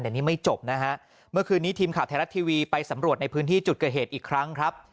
แต่นี่ไม่จบนะฮะเมื่อคืนนี้ทีมข่าวไทยรัฐทีวีไปสำรวจในพื้นที่จุดเกิดเหตุอีกครั้งครับ